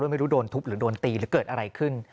ไม่รู้โดนทุบหรือโดนตีหรือเกิดอะไรขึ้น